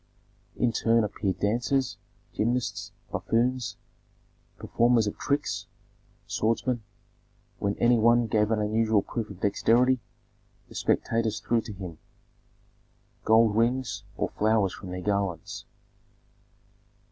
In turn appeared dancers, gymnasts, buffoons, performers of tricks, swordsmen; when any one gave an unusual proof of dexterity, the spectators threw to him gold rings or flowers from their garlands.